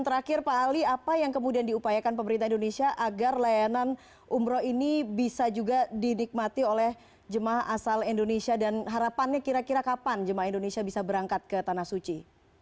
terakhir pak ali apa yang kemudian diupayakan pemerintah indonesia agar layanan umroh ini bisa juga dinikmati oleh jemaah asal indonesia dan harapannya kira kira kapan jemaah indonesia bisa berangkat ke tanah suci